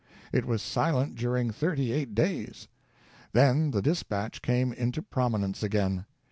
It was silent during thirty eight days. Then the dispatch came into prominence again.